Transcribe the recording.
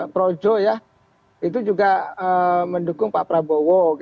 projo ya itu juga mendukung pak prabowo